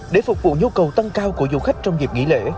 để phục vụ nhu cầu tăng cao của du khách trong dịp nghỉ lễ